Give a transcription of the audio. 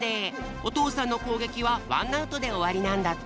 おとうさんのこうげきはワンアウトでおわりなんだって。